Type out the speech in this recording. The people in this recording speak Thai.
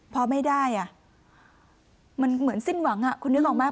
พอไม่ได้มันเหมือนสิ้นหวังคุณนึกออกไหม